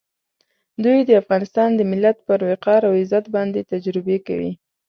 دوی د افغانستان د ملت پر وقار او عزت باندې تجربې کوي.